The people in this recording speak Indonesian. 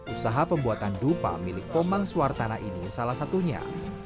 usaha pembuatan dupa milik komang suartana ini salah satunya